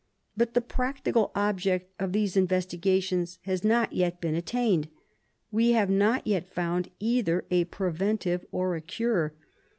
But the practical object of these investigations has not yet been attained. We have not yet found either a preventive or a cure.